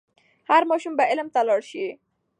هر ماشوم به علم ته لاړ سي.